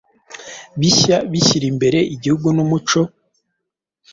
bishya bishyira imbere igihugu n'umuco: